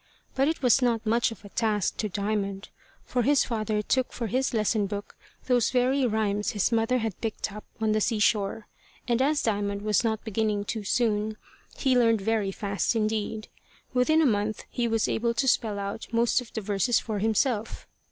But it was not much of a task to Diamond, for his father took for his lesson book those very rhymes his mother had picked up on the sea shore; and as Diamond was not beginning too soon, he learned very fast indeed. Within a month he was able to spell out most of the verses for himself.